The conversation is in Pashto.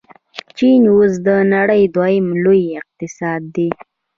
چین اوس د نړۍ دویم لوی اقتصاد دی.